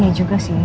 iya juga sih ya